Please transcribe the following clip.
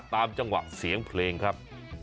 ตามจังหวะเสียงเพลงครับ